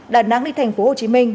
đà nẵng đi thành phố hồ chí minh